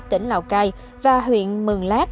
tỉnh lào cai và huyện mường lát